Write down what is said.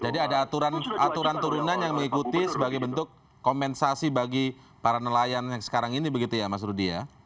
jadi ada aturan turunan yang mengikuti sebagai bentuk kompensasi bagi para nelayan yang sekarang ini begitu ya mas rudy ya